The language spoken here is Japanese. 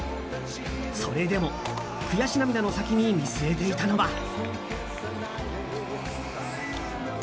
それでも悔し涙の先に見据えていたのは。